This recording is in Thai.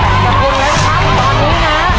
สุดท้ายแล้วครับ